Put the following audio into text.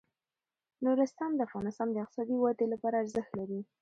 نورستان د افغانستان د اقتصادي ودې لپاره ارزښت لري.